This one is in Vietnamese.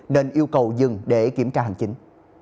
nên yêu cầu dừng để kiểm tra hành chính